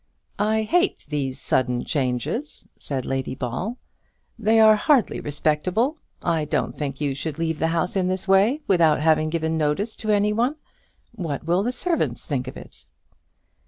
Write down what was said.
"I hate these sudden changes," said Lady Ball; "they are hardly respectable. I don't think you should leave the house in this way, without having given notice to any one. What will the servants think of it?"